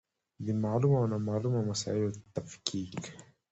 د معلومو او نامعلومو مسایلو تفکیک.